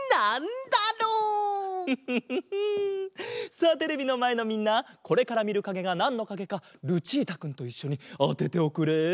さあテレビのまえのみんなこれからみるかげがなんのかげかルチータくんといっしょにあてておくれ。